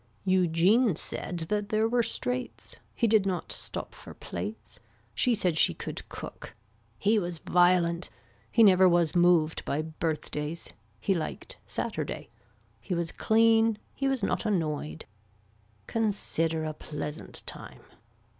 Eugene said that there were straits. He did not stop for plates. She said she could cook. He was violent. He never was moved by birthdays. He liked Saturday. He was clean. He was not annoyed. Consider a pleasant time.